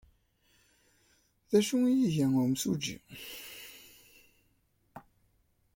D acu ay iga yimsujji?